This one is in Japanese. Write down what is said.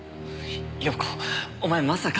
遥子お前まさか。